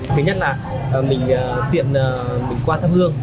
thứ nhất là mình tiệm mình qua tháp hương